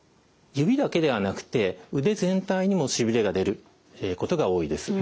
指だけではなくて腕全体にもしびれが出ることが多いです。